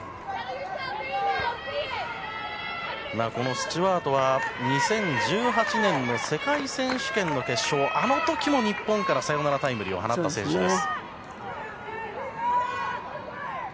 スチュワートは２０１８年の世界選手権の決勝あの時も日本からサヨナラタイムリーを放った選手です。